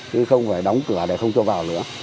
chứ không phải đóng cửa để không cho vào nữa